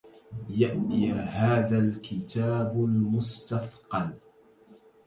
يأيهذا الكاتب المستثقل